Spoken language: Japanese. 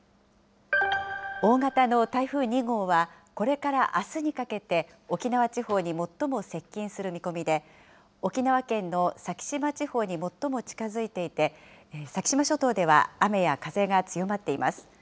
大型の台風２号は、これからあすにかけて、沖縄地方に最も接近する見込みで、沖縄県の先島地方に最も近づいていて、先島諸島では雨や風が強まっています。